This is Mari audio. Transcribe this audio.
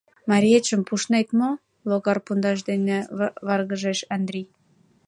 — Мариетшым пуштнет мо? — логар пундаш дене варгыжеш Андрий.